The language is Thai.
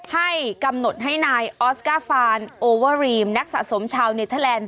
ให้กำหนดให้นายออสการ์ฟานโอเวอรีมนักสะสมชาวเนเทอร์แลนด์